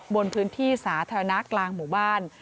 บนพื้นที่สาธารณะกลางหมู่บ้าน